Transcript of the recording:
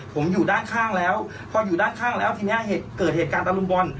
ผมอยู่ด้านข้างแล้วพออยู่ด้านข้างแล้วทีนี้เกิดเหตุการณ์ตะลุมบอล